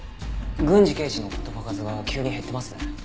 郡司刑事の言葉数が急に減ってますね。